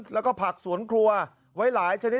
แล้วก็ผักสวนครัวไว้หลายชนิด